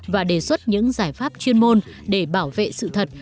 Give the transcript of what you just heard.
và đề xuất những giải pháp chuyên môn để bảo vệ sự thật